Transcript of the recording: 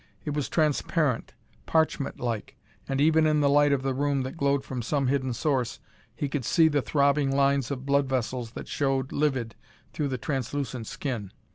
It was transparent, parchment like, and even in the light of the room that glowed from some hidden source, he could see the throbbing lines of blood vessels that showed livid through the translucent skin.